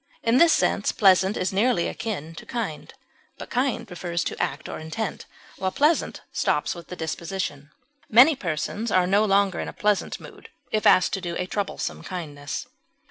In this sense pleasant is nearly akin to kind, but kind refers to act or intent, while pleasant stops with the disposition; many persons are no longer in a pleasant mood if asked to do a troublesome kindness.